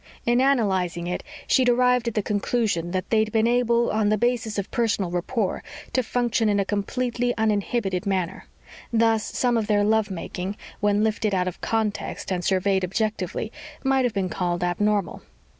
In analyzing it, she'd arrived at the conclusion that they'd been able, on the basis of personal rapport, to function in a completely uninhibited manner; thus, some of their love making, when lifted out of context and surveyed objectively, might have been called abnormal.